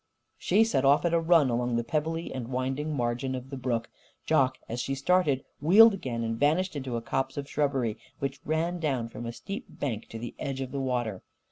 She set off at a run along the pebbly and winding margin of the brook. Jock, as she started, wheeled again and vanished into a copse of shrubbery which ran down from a steep bank to the edge of the water.